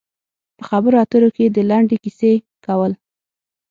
په خبرو اترو کې د لنډې کیسې کول.